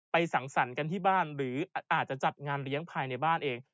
สั่งสรรค์กันที่บ้านหรืออาจจะจัดงานเลี้ยงภายในบ้านเอง